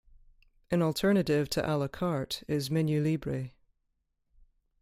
An alternative to Alacarte is MenuLibre.